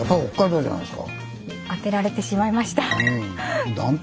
当てられてしまいました。